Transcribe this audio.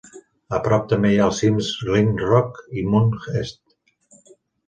A prop també hi ha els cims Glen Rock i Mount Esk.